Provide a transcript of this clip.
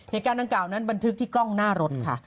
ในการตั้งกล่าวนั้นเป็นทึกที่กล้องหน้ารถค่ะ